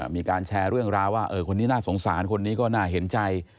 มีการแชร์เรื่องราวว่าคนนี้น่าสงสารคนนี้ก็น่าเห็นใจ